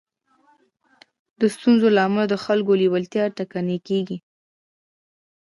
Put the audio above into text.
د ستونزو له امله د خلکو لېوالتيا ټکنۍ کېږي.